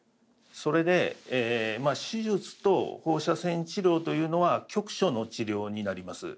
それで手術と放射線治療というのは局所の治療になります。